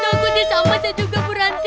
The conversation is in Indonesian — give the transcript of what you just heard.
udah aku disamanya juga berhenti